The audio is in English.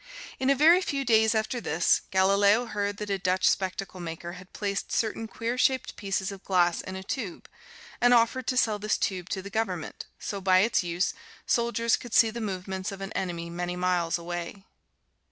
In a very few days after this, Galileo heard that a Dutch spectacle maker had placed certain queer shaped pieces of glass in a tube, and offered to sell this tube to the Government, so by its use, soldiers could see the movements of an enemy many miles away.